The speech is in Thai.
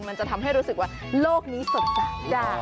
มันจะทำให้รู้สึกว่าโลกนี้สดใสได้